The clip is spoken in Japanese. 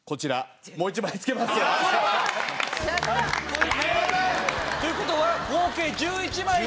やった！という事は合計１１枚で。